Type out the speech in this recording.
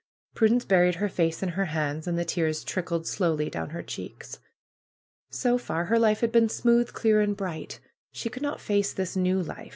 Prudence buried her face in her hands, and the tears trickled slowly down her cheeks. So far her life had been smooth, clear and bright. She could not face this new life.